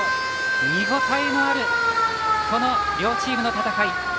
見応えのある両チームの戦い。